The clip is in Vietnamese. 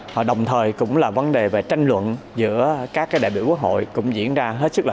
và đồng thời cũng là vấn đề về tranh luận giữa các đại biểu quốc hội cũng diễn ra hết sức là